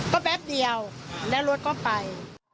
ก็แป๊บเดียวแล้วรถก็ไป